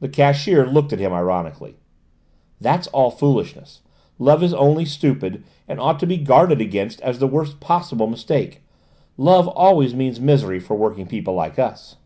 The cashier looked at him ironically. "That's all foolishness. Love is only stupid, and ought to be guarded against as the worst possible mistake. Love always means misery for working people like us."